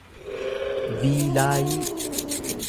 viilaayii